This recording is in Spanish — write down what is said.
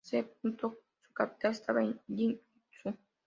C.. Su capital estaba en Yin Xu.